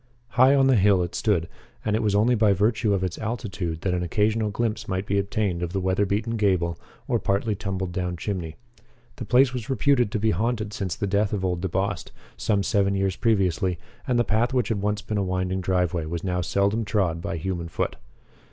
High on the hill it stood, and it was only by virtue of its altitude that an occasional glimpse might be obtained of weatherbeaten gable or partly tumbled down chimney. The place was reputed to be haunted since the death of old DeBost, some seven years previously, and the path which had once been a winding driveway was now seldom trod by human foot.